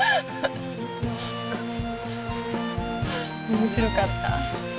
面白かった。